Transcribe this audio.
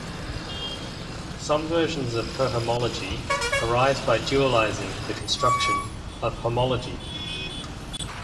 Some versions of cohomology arise by dualizing the construction of homology.